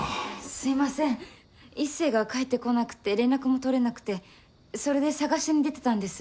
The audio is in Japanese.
すいません壱成が帰ってこなくて連絡も取れなくてそれで捜しに出てたんです